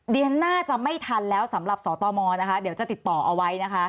ดิฉันน่าจะไม่ทันแล้วสำหรับสตมนะคะเดี๋ยวจะติดต่อเอาไว้นะคะ